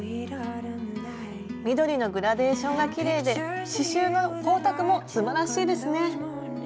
緑のグラデーションがきれいで刺しゅうの光沢もすばらしいですね。